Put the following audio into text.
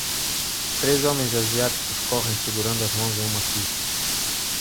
Três homens asiáticos correm segurando as mãos em uma pista.